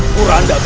kurang dengar ini